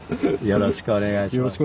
よろしくお願いします。